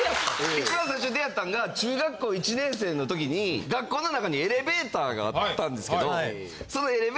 一番最初出会ったんが中学校１年生の時に学校の中にエレベーターがあったんですけど。